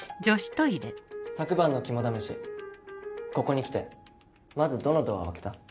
昨晩の肝試しここに来てまずどのドアを開けた？